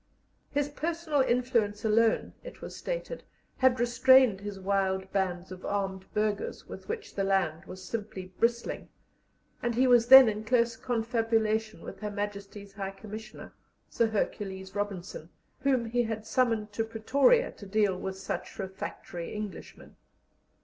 His personal influence alone, it was stated, had restrained his wild bands of armed burghers, with which the land was simply bristling, and he was then in close confabulation with Her Majesty's High Commissioner, Sir Hercules Robinson, whom he had summoned to Pretoria to deal with such refractory Englishmen.